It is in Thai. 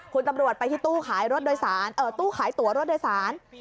คุณตำรวจไปที่ตู้ขายตัวรถโดยสาร